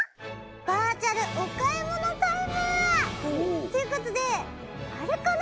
「バーチャルお買い物タイム」！っていう事であれかな？